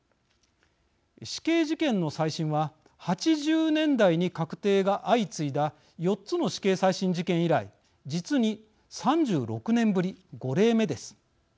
死刑事件の再審は８０年代に確定が相次いだ４つの死刑再審事件以来実に３６年ぶり、５例目です。